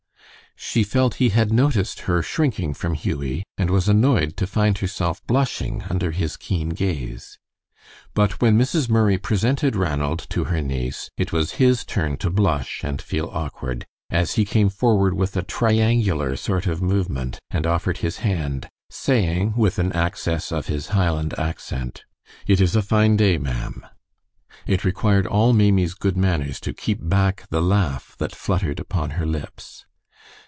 She felt he had noticed her shrinking from Hughie, and was annoyed to find herself blushing under his keen gaze. But when Mrs. Murray presented Ranald to her niece, it was his turn to blush and feel awkward, as he came forward with a triangular sort of movement and offered his hand, saying, with an access of his Highland accent, "It is a fine day, ma'am." It required all Maimie's good manners to keep back the laugh that fluttered upon her lips.